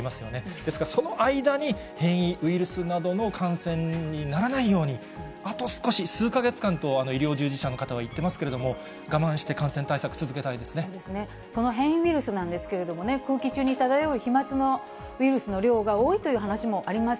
ですから、その間に変異ウイルスなどの感染にならないように、あと少し、数か月間と、医療従事者の方は言ってますけれども、我慢して感染対策、続けたその変異ウイルスなんですけれどもね、空気中に漂う飛まつのウイルスの量が多いという話もあります。